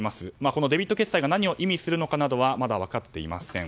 このデビット決済が何を意味するかはまだ分かっていません。